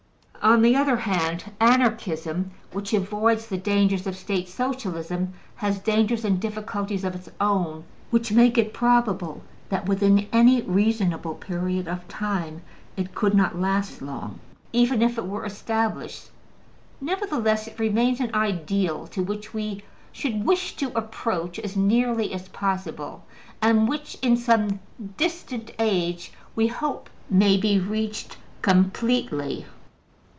On the other hand, Anarchism, which avoids the dangers of State Socialism, has dangers and difficulties of its own, which make it probable that, within any reasonable period of time, it could not last long even if it were established. Nevertheless, it remains an ideal to which we should wish to approach as nearly as possible, and which, in some distant age, we hope may be reached completely.